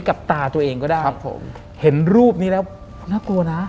กับตาตัวเองก็ได้ครับผมเห็นรูปนี้แล้วน่ากลัวนะ